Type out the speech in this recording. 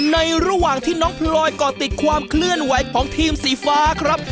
ระหว่างที่น้องพลอยก่อติดความเคลื่อนไหวของทีมสีฟ้าครับ